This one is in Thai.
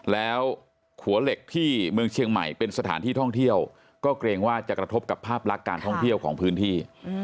แล้วขัวเหล็กที่เมืองเชียงใหม่เป็นสถานที่ท่องเที่ยวก็เกรงว่าจะกระทบกับภาพลักษณ์การท่องเที่ยวของพื้นที่